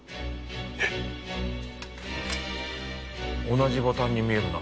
同じボタンに見えるな。